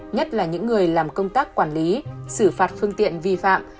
nhất là những người làm công tác quản lý xử phạt phương tiện vi phạm